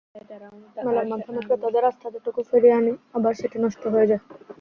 মেলার মাধ্যমে ক্রেতাদের আস্থা যেটুকু ফিরিয়ে আনি, আবার সেটি নষ্ট হয়ে যায়।